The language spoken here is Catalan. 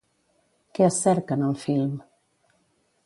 Què es cerca en el film?